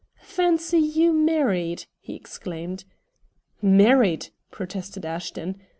"Fancy you married!" he exclaimed. "Married!" protested Ashton.